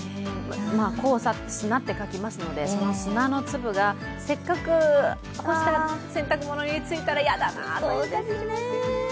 黄砂、砂と書きますので、その砂の粒がせっかく干した洗濯物についたら嫌だなという感じがしますね。